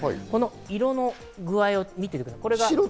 色の具合を見てください。